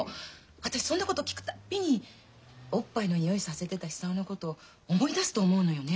私そんなこと聞くたんびにおっぱいのにおいさせてた久男のこと思い出すと思うのよね。